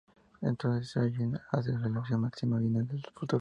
Entonces Sayid hace la revelación máxima: viene del futuro.